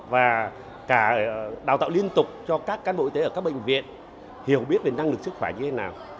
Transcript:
và cả đào tạo liên tục cho các cán bộ y tế ở các bệnh viện hiểu biết về năng lực sức khỏe như thế nào